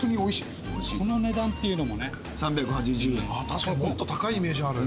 確かにもっと高いイメージある。